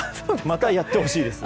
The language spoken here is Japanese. またやってほしいです。